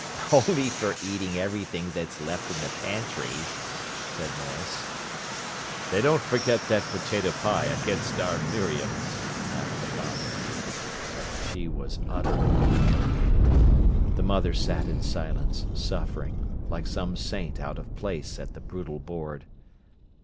"On'y for eating everything that's left in th' pantry," said Maurice. "They don't forget that potato pie against our Miriam," laughed the father. She was utterly humiliated. The mother sat in silence, suffering, like some saint out of place at the brutal board.